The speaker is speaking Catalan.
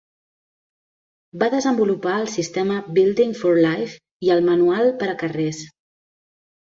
Va desenvolupar el sistema Building for Life i el Manual per a carrers.